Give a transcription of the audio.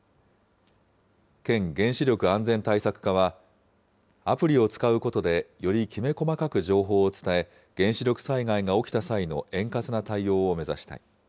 県原子力安全対策課は、アプリを使うことでよりきめ細かく情報を伝え、原子力災害が起きた際の円滑な対応を目指したい。